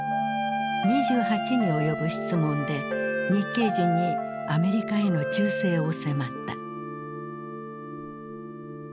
２８に及ぶ質問で日系人にアメリカへの忠誠を迫った。